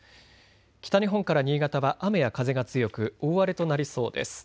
北日本から新潟は雨や風が強く大荒れとなりそうです。